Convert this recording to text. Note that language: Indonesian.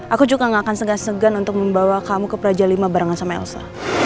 aku juga gak akan segan segan untuk membawa kamu ke praja v barengan sama elsa